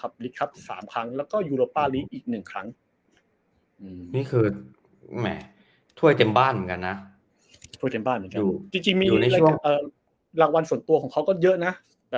บ้านเหมือนกันนะพวกเจ็มบ้านเหมือนกันจริงรางวัลส่วนตัวของเขาก็เยอะนะ